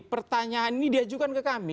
pertanyaan ini diajukan ke kami